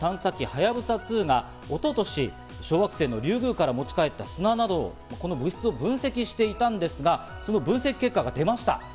はやぶさ２が一昨年、小惑星のリュウグウから持ち帰った砂など物質を分析していたんですが、その分析結果が出ました。